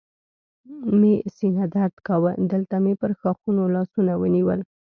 مې سینه درد کاوه، دلته مې پر ښاخونو لاسونه ونیول.